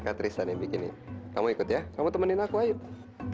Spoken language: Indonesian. kak tristan yang bikin ini kamu ikut ya kamu temenin aku ayo